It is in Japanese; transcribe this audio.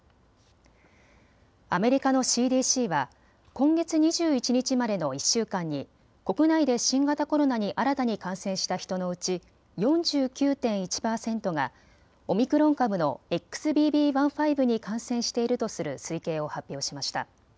アメリカのＣＤＣは今月２１日までの１週間に国内で新型コロナに新たに感染した人のうち４９．１％がオミクロン株のＸＢＢ．１．５に感染しているとする推計を発表しました。